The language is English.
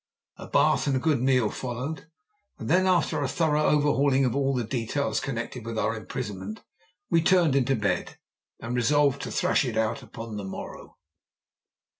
A bath and a good meal followed, and then after a thorough overhauling of all the details connected with our imprisonment we turned into bed, resolved to thrash it out upon the morrow.